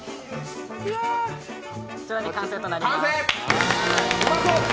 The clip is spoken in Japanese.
こちらで完成となります。